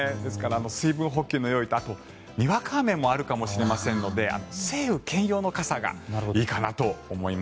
水分補給の用意とあとにわか雨もあるかもしれませんので晴雨兼用の傘がいいかなと思います。